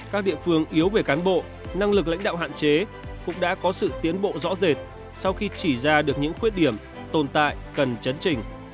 các địa phương yếu về cán bộ năng lực lãnh đạo hạn chế cũng đã có sự tiến bộ rõ rệt sau khi chỉ ra được những khuyết điểm tồn tại cần chấn trình